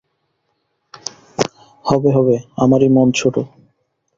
হবে, হবে, আমারই মন ছোটো।